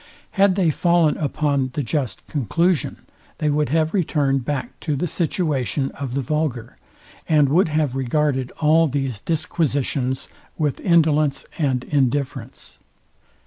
Had they fallen upon the just conclusion, they would have returned back to the situation of the vulgar, and would have regarded all these disquisitions with indolence and indifference.